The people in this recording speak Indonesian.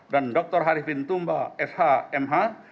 dan dr harifin tumba shmh